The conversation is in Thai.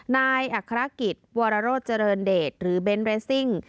นายอัครกิจวรโรธเจริญเดชหรือเบนทเรสซิ่ง